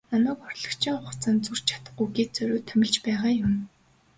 Намайг орлогчийн хугацаанд зөрж чадахгүй гээд зориуд томилж байгаа юм.